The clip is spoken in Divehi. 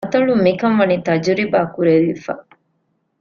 އަތޮޅުން މިކަން ވަނީ ތަޖުރިބާ ކުރެވިފަ